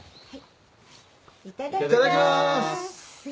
いただきます。